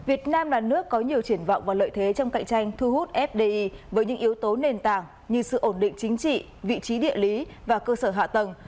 y tế đã có nhiều triển vọng và lợi thế trong cạnh tranh thu hút fdi với những yếu tố nền tảng như sự ổn định chính trị vị trí địa lý và cơ sở hạ tầng